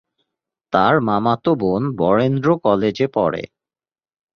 তার মামাতো বোন বরেন্দ্র কলেজে পড়ে।